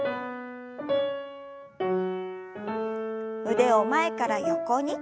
腕を前から横に。